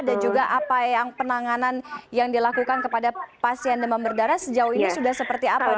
dan juga apa penanganan yang dilakukan kepada pasien demam berdarah sejauh ini sudah seperti apa dok